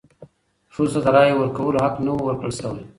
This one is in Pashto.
ښځو ته د رایې ورکولو حق نه و ورکړل شوی.